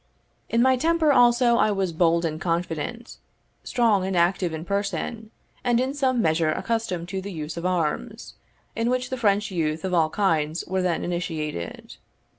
In my temper also I was bold and confident, strong and active in person, and in some measure accustomed to the use of arms, in which the French youth of all kinds were then initiated.